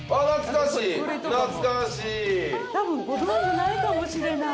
多分ご存じないかもしれない。